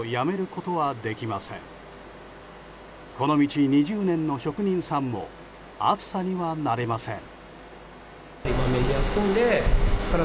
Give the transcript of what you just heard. この道２０年の職人さんも暑さには慣れません。